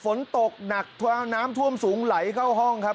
ฝนตกหนักน้ำท่วมสูงไหลเข้าห้องครับ